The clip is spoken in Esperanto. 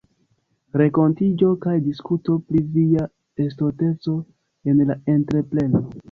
rekontiĝo kaj diskuto pri via estonteco en la entrepreno.